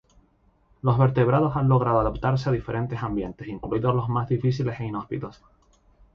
Los vertebrados han logrado adaptarse a diferentes ambientes, incluidos los más difíciles e inhóspitos.